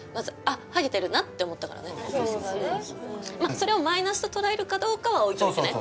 それをマイナスと捉えるかどうかは置いておいてね。